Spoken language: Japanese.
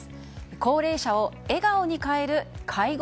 高齢者を笑顔に変える介護